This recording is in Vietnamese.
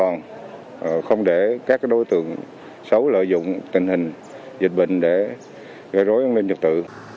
để an toàn không để các đối tượng xấu lợi dụng tình hình dịch bệnh để gây rối an ninh trật tự